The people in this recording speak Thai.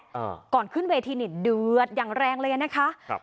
อ่าก่อนขึ้นเวทีนี่เดือดอย่างแรงเลยอ่ะนะคะครับ